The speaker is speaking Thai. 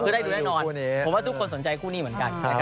คือได้ดูแน่นอนผมว่าทุกคนสนใจคู่นี้เหมือนกันนะครับ